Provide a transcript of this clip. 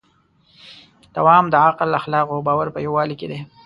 دوام د عقل، اخلاقو او باور په یووالي کې دی.